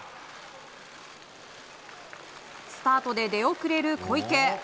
スタートで出遅れる小池。